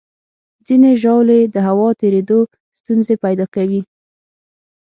ځینې ژاولې د هوا تېرېدو ستونزې پیدا کوي.